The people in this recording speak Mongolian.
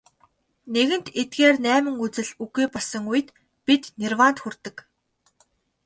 Нэгэнт эдгээр найман үзэл үгүй болсон үед бид нирваанд хүрдэг.